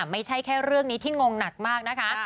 ไม่ใช่แค่เรื่องนี้ที่งงหนักมากนะคะ